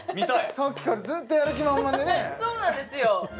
さっきからずっとやる気満々でねそうなんですよ